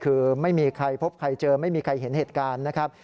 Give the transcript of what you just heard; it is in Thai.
คือไม่มีใครพบใครเจอไม่มีใครเห็นเหตุการณ์นะครับ